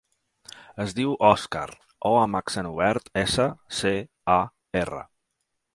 Es diu Òscar: o amb accent obert, essa, ce, a, erra.